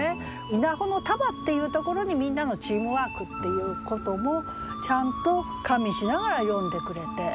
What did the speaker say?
「稲穂の束」っていうところにみんなのチームワークっていうこともちゃんと加味しながら詠んでくれて。